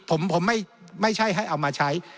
ผมไม่ใช่ให้เอามาใช้